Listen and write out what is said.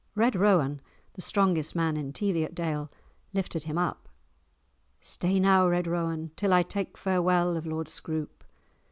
Red Rowan, the strongest man in Teviotdale, lifted him up. "Stay now, Red Rowan, till I take farewell of Lord Scroope.